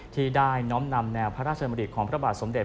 ที่ได้น้อมนำแนวพระราชมริตของพระบาทสมเด็จ